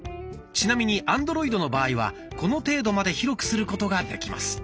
ちなみにアンドロイドの場合はこの程度まで広くすることができます。